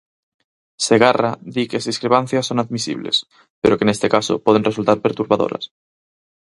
Segarra di que as discrepancias son admisibles, pero que neste caso poden resultar perturbadoras.